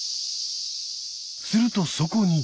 するとそこに。